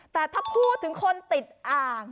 แต่ถ้าพูดถึงคนติดอ่าง